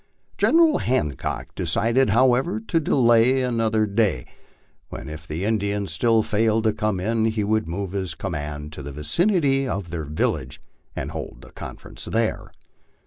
General Hancock decided, however, to delay an other day, when, if the Indians still failed to come in, he would move Ms com mand to the vicinity of their village and hold the conference tnere.